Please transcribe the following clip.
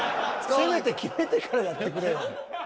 せめて決めてからやってくれよ。